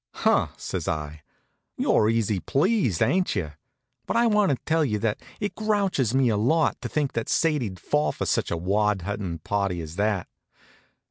"Huh!" says I. "You're easy pleased, ain't you? But I want to tell you that it grouches me a lot to think that Sadie'd fall for any such wad huntin' party as that."